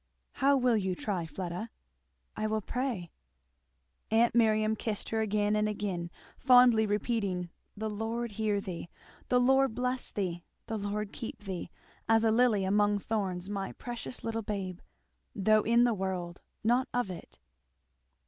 "How will you try, Fleda? "I will pray." Aunt Miriam kissed her again and again, fondly repeating, "The Lord hear thee! The Lord bless thee! The Lord keep thee! as a lily among thorns, my precious little babe; though in the world, not of it.